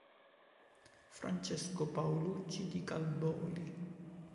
Francesco Paulucci di Calboli